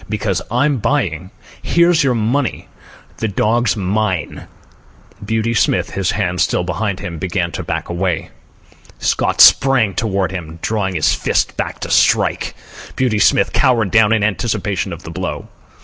"Because I'm buying. Here's your money. The dog's mine." Beauty Smith, his hands still behind him, began to back away. Scott sprang toward him, drawing his fist back to strike. Beauty Smith cowered down in anticipation of the blow.